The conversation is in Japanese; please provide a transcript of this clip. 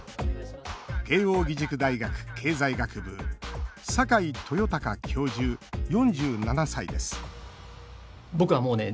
慶應義塾大学経済学部坂井豊貴教授、４７歳です